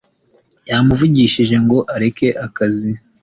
yamuvugishije ngo areke akazi